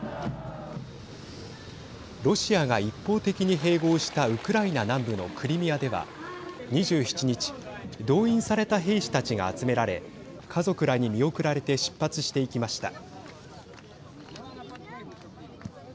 ロシアが一方的に併合したウクライナ南部のクリミアでは２７日動員された兵士たちが集められ家族らに見送られて出発していきました。